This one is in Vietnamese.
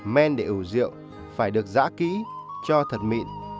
men để ủ rượu phải được giã kỹ cho thật mịn